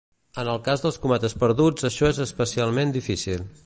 En el cas dels cometes perduts això és especialment difícil.